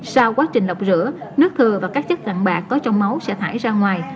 sau quá trình lọc rửa nước thừa và các chất cạn bạ có trong máu sẽ thải ra ngoài